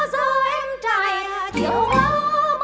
giờ em trai chịu ngỡ